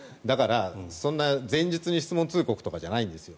そんな前日に質問通告とかじゃないんですよ。